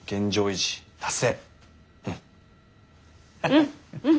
うんうん！